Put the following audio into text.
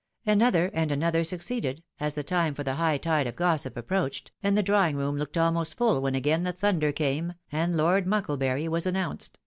Another, and another succeeded, as the time for the high tide of gossip approached, and the drawing room looked almost full when agaip the thunder came, and Lord Mucklebmy was annoimced.